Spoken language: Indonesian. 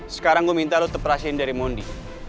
sekarang gue minta lo tetep rahasiain dari mondi